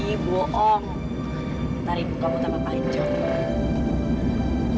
ntar hidung kamu tambah panjang